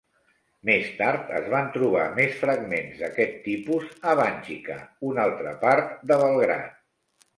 Més tard es van trobar més fragments d'aquest tipus a Banjica, una altra part de Belgrad.